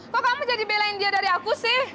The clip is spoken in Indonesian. kok kamu jadi belain dia dari aku sih